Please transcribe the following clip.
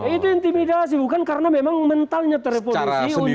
itu intimidasi bukan karena memang mentalnya terevolusi